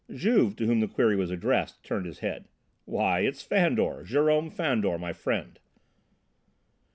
Juve, to whom the query was addressed, turned his head. "Why, it's Fandor, Jerome Fandor, my friend."